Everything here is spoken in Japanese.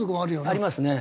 ありますね。